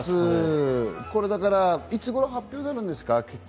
いつ頃発表になるんですか？